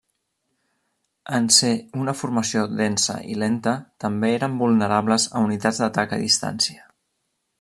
En ser una formació densa i lenta, també eren vulnerables a unitats d'atac a distància.